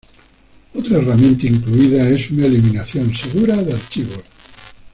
Otra herramienta incluida es una eliminación segura de archivos.